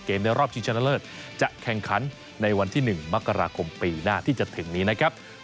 ในรอบชิงชนะเลิศจะแข่งขันในวันที่๑มกราคมปีหน้าที่จะถึงนี้นะครับ